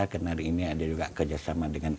karena hari ini ada juga kerjasama dengan